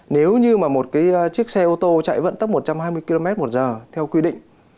nếu như mà một cái chiếc xe ô tô chạy vận tốc một trăm hai mươi km một giờ theo quy định